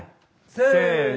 せの。